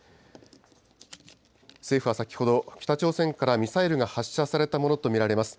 政府は先ほど、北朝鮮からミサイルが発射されたものと見られます。